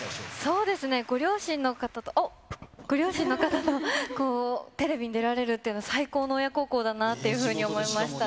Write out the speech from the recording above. そうですね、ご両親の方とこう、テレビに出られるっていうのは、最高の親孝行だなというふうに思いましたね。